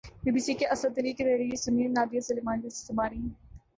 be B C کے اسد علی کی تحریر سنیے نادیہ سلیمان کی زبانی